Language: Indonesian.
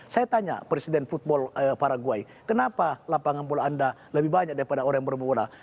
saya tanya presiden football paraguay kenapa lapangan bola anda lebih banyak daripada orang yang bermurah